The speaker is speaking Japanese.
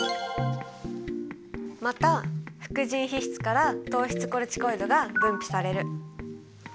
また副腎皮質から糖質コルチコイドが分泌される。